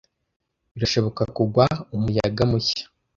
Birashoboka kugwa umuyaga mushya!